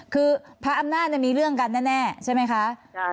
คือพระอำนาจมีเรื่องกันแน่ใช่ไหมคะ